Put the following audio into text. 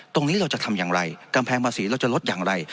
ตรงนี้เราจะทำอย่างไรกำแพงภาษีเราจะลดอย่างไร